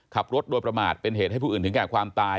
ขับรถโดยประมาทเป็นเหตุให้ผู้อื่นถึงแก่ความตาย